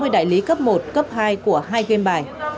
một trăm sáu mươi đại lý cấp một cấp hai của hai game bài